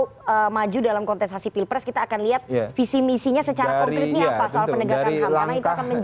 kalau beliau maju dalam kontestasi pilpres kita akan lihat visi visinya secara konkretnya apa soal pendegakan ham